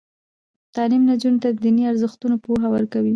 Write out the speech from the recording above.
تعلیم نجونو ته د دیني ارزښتونو پوهه ورکوي.